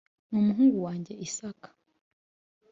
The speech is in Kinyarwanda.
n umuhungu wanjye isaka